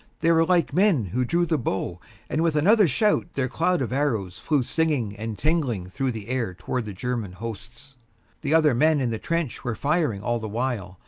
They were like men who drew the bow, and with another shout, their cloud of arrows flew singing and tingling through the air towards the German hosts. The other men in the trench were firing all the while.